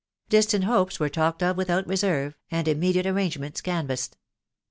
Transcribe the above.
Distant hopes were talked of without reserve, and immediate arrangements canvassed.